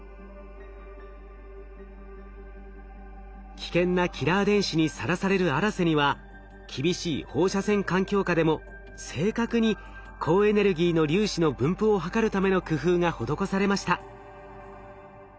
危険なキラー電子にさらされる「あらせ」には厳しい放射線環境下でも正確に高エネルギーの粒子の分布を測るための工夫が施されました。